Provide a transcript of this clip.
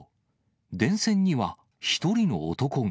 電線には一人の男が。